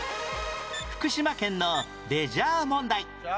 福島県のレジャー問題